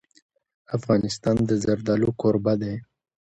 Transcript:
افغانستان د زردالو کوربه دی.